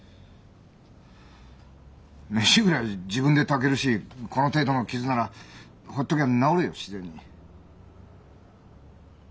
飯ぐらい自分で炊けるしこの程度の傷ならほっときゃ治るよ自然に。